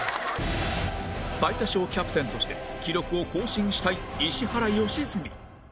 最多勝キャプテンとして記録を更新したい石原良純